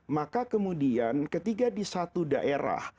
maka kemudian ketika di satu daerah